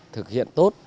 thực hiện tốt